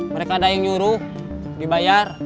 mereka ada yang nyuruh dibayar